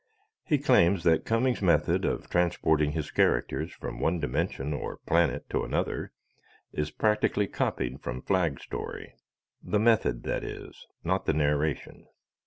He claims that Cummings' method of transporting his characters from one dimension or planet to another is practically copied from Flagg's story. The method, that is, not the narration.